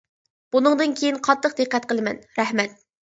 بۇنىڭدىن كېيىن قاتتىق دىققەت قىلىمەن، رەھمەت.